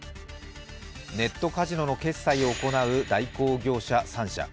ネットカジノの決済を行う代行業者３社。